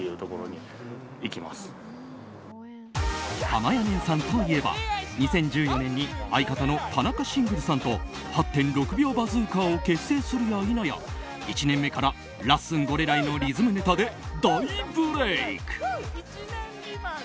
はまやねんさんといえば２０１４年に相方のタナカシングルさんと８．６秒バズーカーを結成するや否や１年目からラッスンゴレライのリズムネタで大ブレーク！